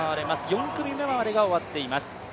４組目までが終わっています。